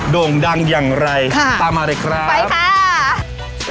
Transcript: โด่งดังอย่างไรตามมาเลยครับไปค่ะ